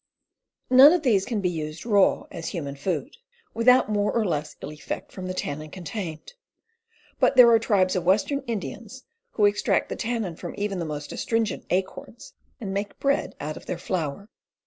None of these can be used raw, as human food, without more or less ill effect from the tannin contained. But there are tribes of western Indians who extract the tannin from even the most astringent acorns and make bread out of their flour.